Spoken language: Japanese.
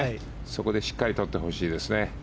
そこでしっかりとってほしいですね。